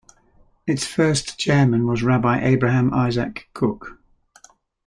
Its first chairman was Rabbi Abraham Isaac Kook.